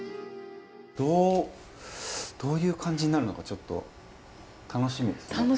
どうどういう感じになるのかちょっと楽しみですね。